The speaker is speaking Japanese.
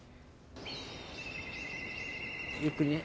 ゆっくりね。